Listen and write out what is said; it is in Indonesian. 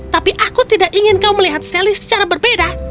tapi aku tidak ingin kau melihat sally secara berbeda